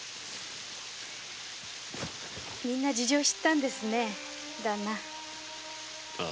みんな事情を知ったんですね？